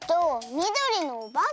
みどりのおばけ！